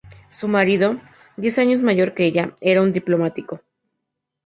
Su marido, diez años mayor que ella, era un diplomático.